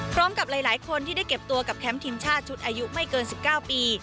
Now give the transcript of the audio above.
พร้อมกับหลายคนที่ได้เก็บตัวกับแคมป์ทีมชาติชุดอายุไม่เกิน๑๙ปี